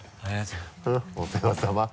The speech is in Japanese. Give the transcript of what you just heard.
お世話さま。